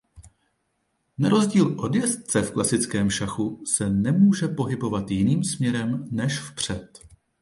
Na rozdíl od jezdce v klasickém šachu se nemůže pohybovat jiným směrem než vpřed.